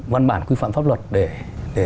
văn bản quy phạm pháp luật để